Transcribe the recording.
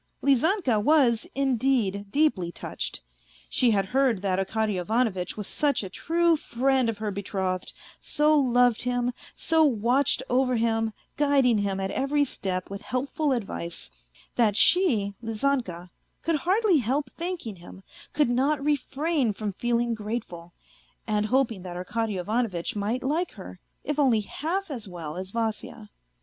Lizanka was, indeed, deeply touched: she had heard that Arkady Ivanovitch was such a true friend of her betrothed, so loved him, so watched over him, guiding him at every step with helpful advice, that she, Lizanka, could hardly help thanking him, could not refrain from feeling grateful, and hoping that Arkady Ivanovitch might like her, if only half as well as Vasya.